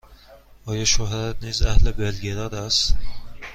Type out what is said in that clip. آیا شوهرت نیز اهل بلگراد است؟